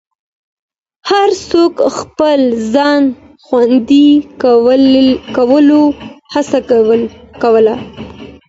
هر څوک خپل ځای خوندي کولو هڅه کوله.